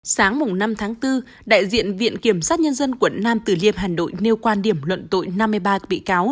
sáng năm tháng bốn đại diện viện kiểm sát nhân dân quận nam tử liêm hàn đội nêu quan điểm luận tội năm mươi ba bị cáo